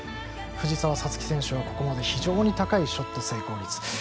藤澤五月選手はここまで非常に高いショット成功率。